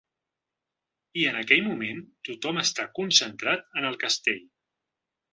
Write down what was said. I en aquell moment tothom està concentrat en el castell.